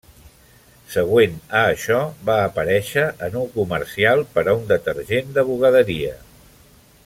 Següent a això, va aparèixer en un comercial per a un detergent de bugaderia.